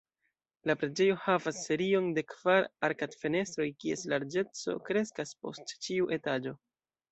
La preĝejo havas serion de kvar arkad-fenestroj kies larĝeco kreskas post ĉiu etaĝo.